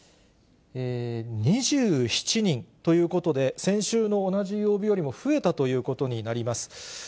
２７人ということで、先週の同じ曜日よりも増えたということになります。